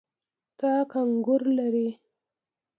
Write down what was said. تاک انګور لري.